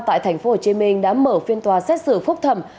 tại tp hcm đã mở phiên tòa xét xử phúc thẩm